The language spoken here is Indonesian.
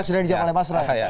kita sudah dijawab oleh mas rahay